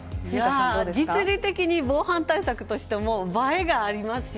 実利的に防犯対策としても映えがありますし